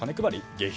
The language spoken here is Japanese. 下品。